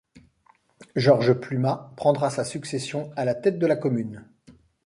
Georges Plumat prendra sa succession à la tête de la commune.